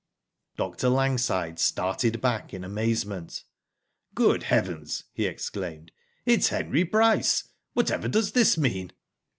Dr. Langside started back in amazement. *' Good heavens !" he exclaimed. '* It's Henry Bryce. Whatever does this mean